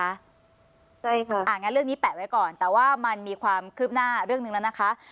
ใช่ค่ะอ่างั้นเรื่องนี้แปะไว้ก่อนแต่ว่ามันมีความคืบหน้าเรื่องหนึ่งแล้วนะคะ